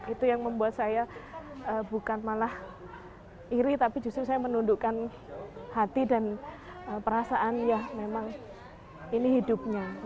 itu yang membuat saya bukan malah iri tapi justru saya menundukkan hati dan perasaan ya memang ini hidupnya